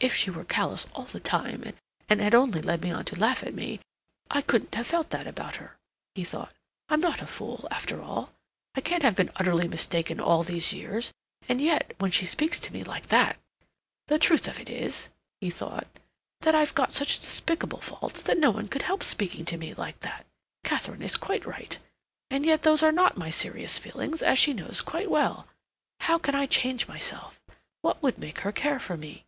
"If she were callous all the time and had only led me on to laugh at me I couldn't have felt that about her," he thought. "I'm not a fool, after all. I can't have been utterly mistaken all these years. And yet, when she speaks to me like that! The truth of it is," he thought, "that I've got such despicable faults that no one could help speaking to me like that. Katharine is quite right. And yet those are not my serious feelings, as she knows quite well. How can I change myself? What would make her care for me?"